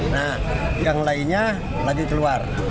nah yang lainnya lagi keluar